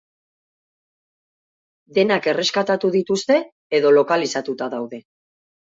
Denak erreskatatu dituzte edo lokalizatuta daude.